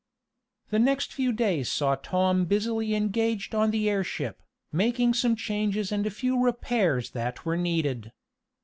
The next few days saw Tom busily engaged on the airship, making some changes and a few repairs that were needed.